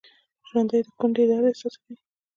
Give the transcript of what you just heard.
ژوندي د کونډې درد حس کوي